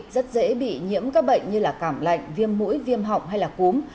rất dễ bị nhiễm các bệnh như là cảm lạnh viêm mũi viêm họng hay là cúm